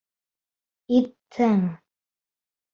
Иттең!